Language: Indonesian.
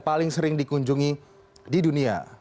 paling sering dikunjungi di dunia